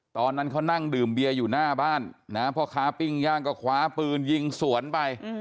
ตอนนั้นเขานั่งดื่มเบียร์อยู่หน้าบ้านนะพ่อค้าปิ้งย่างก็คว้าปืนยิงสวนไป